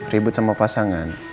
ribut sama pasangan